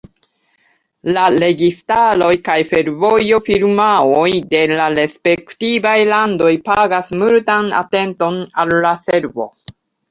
La registaroj kaj fervojo-firmaoj de la respektivaj landoj pagas multan atenton al la servo.